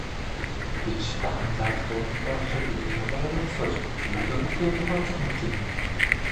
Бид ч дархан цаазат ууландаа очоод эрүүл агаараар амьсгалж, зүй зохистой зугаалах нөхцөл бүрдэнэ.